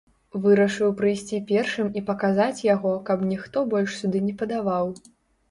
Вырашыў прыйсці першым і паказаць яго, каб ніхто больш сюды не падаваў!